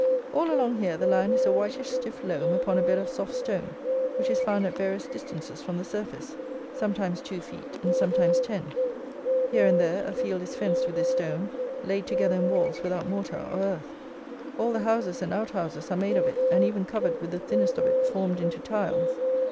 All along here the land is a whitish stiff loam upon a bed of soft stone, which is found at various distances from the surface, sometimes two feet and sometimes ten. Here and there a field is fenced with this stone, laid together in walls without mortar or earth. All the houses and out houses are made of it, and even covered with the thinnest of it formed into tiles.